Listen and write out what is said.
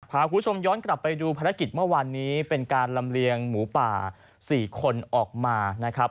พาคุณผู้ชมย้อนกลับไปดูภารกิจเมื่อวานนี้เป็นการลำเลียงหมูป่า๔คนออกมานะครับ